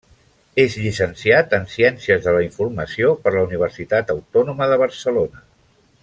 És llicenciat en Ciències de la Informació per la Universitat Autònoma de Barcelona.